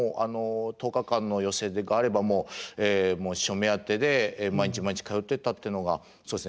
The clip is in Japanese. １０日間の寄席があれば師匠目当てで毎日毎日通ってたっていうのがそうですね